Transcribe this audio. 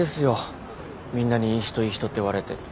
みんなにいい人いい人って言われて。